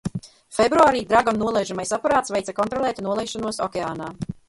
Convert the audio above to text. "Februārī "Dragon" nolaižamais aparāts veica kontrolētu nolaišanos okeānā."